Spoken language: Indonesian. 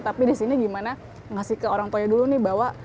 tapi di sini gimana ngasih ke orang tua dulu nih bahwa